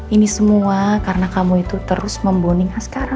ini semua karena kamu itu terus membuning askara